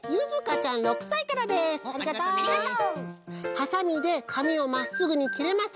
「はさみでかみをまっすぐにきれません。